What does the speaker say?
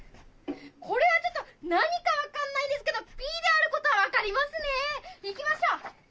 これはちょっと何か分かんないんですけどＰであることは分かりますねいきましょう！